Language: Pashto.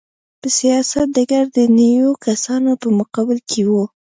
په سیاست ډګر ته د نویو کسانو په مقابل کې و.